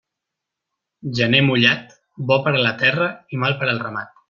Gener mullat, bo per a la terra i mal per al ramat.